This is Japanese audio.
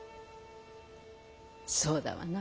そうだわな。